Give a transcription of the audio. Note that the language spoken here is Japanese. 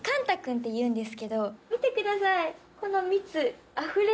っていうんですけど見てください。